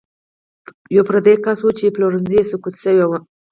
یو پردی کس و چې پلورنځی یې سقوط شوی و.